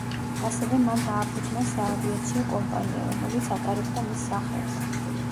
ასევე მან დააფუძნა საავიაციო კომპანია, რომელიც ატარებდა მის სახელს.